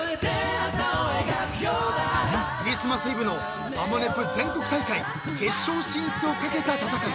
［クリスマスイブの『ハモネプ』全国大会決勝進出を懸けた戦い］